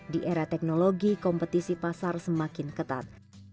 di era teknologi kompetisi pasar semakin ketat